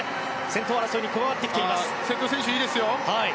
先頭争いに加わっています。